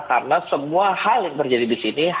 karena semua hal yang terjadi di sini